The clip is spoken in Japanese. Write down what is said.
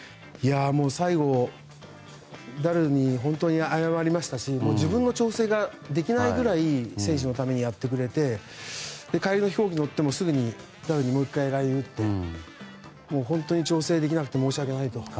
最後、ダルに本当に謝りましたし自分の調整ができないくらい選手のためにやってくれて帰りの飛行機乗ってもすぐにダルにもう１回ＬＩＮＥを打って本当に調整できなくて申し訳ないと。